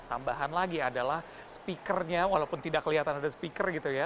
tambahan lagi adalah speakernya walaupun tidak kelihatan ada speaker gitu ya